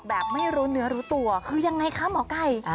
แบบไม่รู้เนื้อรู้ตัวคือยังไงคะหมอไก่